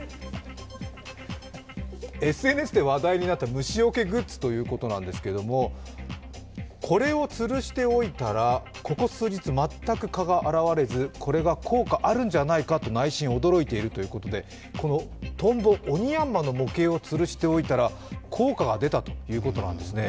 ＳＮＳで話題になった虫よけグッズということなんですけどもこれをつるしておいたらここ数日、全く蚊が現れずこれが効果あるんじゃないかと内心驚いているということで、このとんぼ、オニヤンマの模型をつるしておいたら効果が出たということなんですね。